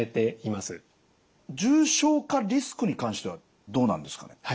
重症化リスクに関してはどうなんですかね？